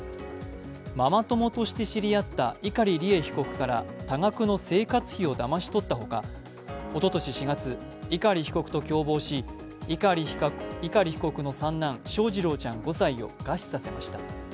ママ友として知り合った碇利恵被告から多額の生活費をだまし取ったほか一昨年４月碇被告と共謀し、碇被告の三男翔士郎ちゃん５歳を餓死させました。